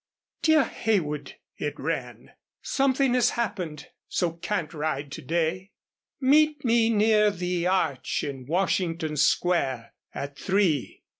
Dear Heywood [it ran], something has happened, so can't ride to day. Meet me near the arch in Washington Square at three.